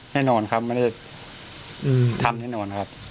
แน่นอนครับไม่ได้ทำแน่นอนครับ